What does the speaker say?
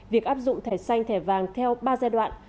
việc áp dụng thẻ xanh thẻ vàng theo ba giai đoạn